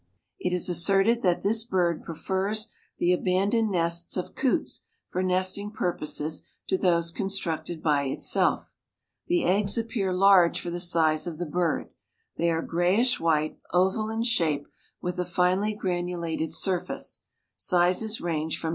It is asserted that this bird prefers the abandoned nests of coots for nesting purposes to those constructed by itself. The eggs appear large for the size of the bird; they are grayish white, oval in shape, with a finely granulated surface; sizes range from 2.